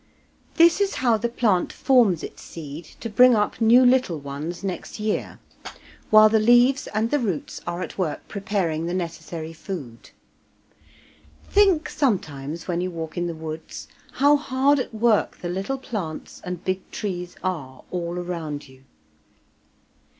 This is how the plant forms its seed to bring up new little ones next year, while the leaves and the roots are at work preparing the necessary food. Think sometimes when you walk in the woods, how hard at work the little plants and big trees are, all around you.